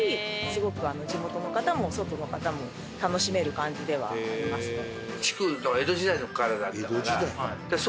すごく地元の方も外の方も楽しめる感じではありますね。